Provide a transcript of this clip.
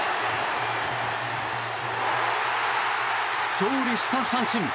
勝利した阪神！